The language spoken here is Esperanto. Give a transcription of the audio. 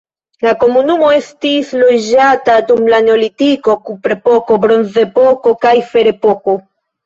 La komunumo estis loĝata dum la neolitiko, kuprepoko, bronzepoko kaj ferepoko.